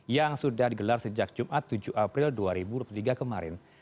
yang sudah digelar sejak jumat tujuh april dua ribu dua puluh tiga kemarin